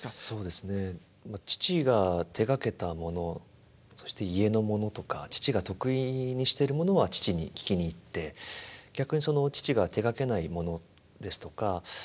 そうですねまあ父が手がけたものそして家のものとか父が得意にしてるものは父に聞きに行って逆に父が手がけないものですとか